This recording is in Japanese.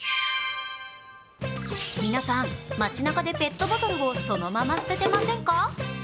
皆さん、街なかでペットボトルをそのまま捨ててませんか。